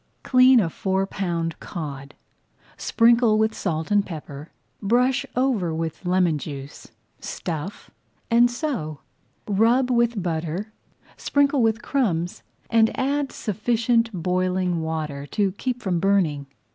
Clean a four pound cod, sprinkle with salt and pepper, brush over with lemon juice, stuff, and sew. Rub with butter, sprinkle with crumbs, and add sufficient boiling water to keep from burning.